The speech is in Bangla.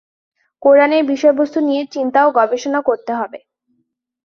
কোরআনের বিষয়বস্তু নিয়ে চিন্তা ও গবেষণা করতে হবে।